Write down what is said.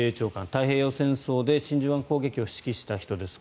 太平洋戦争で真珠湾攻撃を指揮した人です。